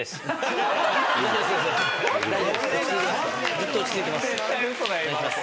ずっと落ち着いてます。